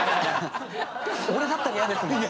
俺だったら嫌ですもん。